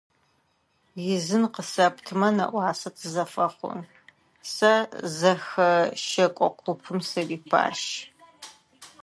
Изын къысэптымэ нэӏуасэ тызэфэхъун, сэ зэхэщэкӏо купым сырипащ.